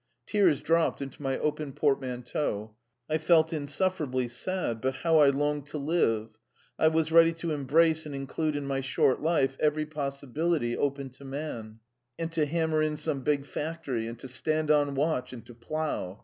Tears dropped into my open portmanteau; I felt insufferably sad; but how I longed to live! I was ready to embrace and include in my short life every possibility open to man. I wanted to speak, to read, and to hammer in some big factory, and to stand on watch, and to plough.